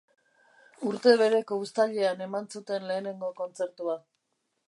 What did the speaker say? Urte bereko uztailean eman zuten lehenengo kontzertua.